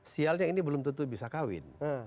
sialnya ini belum tentu bisa kawin